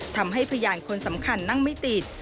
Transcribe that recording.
พยานคนสำคัญนั่งไม่ติด